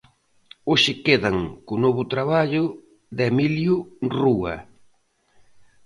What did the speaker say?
Hoxe quedan co novo traballo de Emilio Rúa.